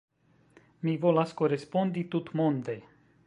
Mi volas korespondi tutmonde.